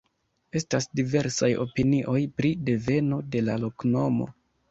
Estas diversaj opinioj pri deveno de la loknomo.